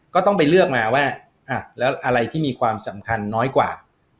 ก็ต้องไปเลือกมาว่าแล้วอะไรที่มีความสำคัญน้อยกว่า